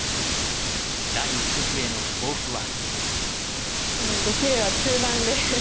第一局への抱負は。